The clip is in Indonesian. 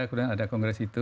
kemudian ada kongres itu